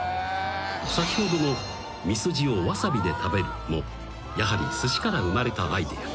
［先ほどのミスジをわさびで食べるもやはりすしから生まれたアイデア］